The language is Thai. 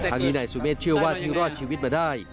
นี้นายสุเมฆเชื่อว่าที่รอดชีวิตมาได้